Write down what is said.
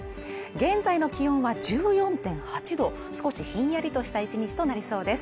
現在の気温は１４．８度、少しひんやりとした１日となりそうです